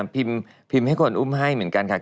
พิมพ์ให้คนอุ้มให้เหมือนกันค่ะ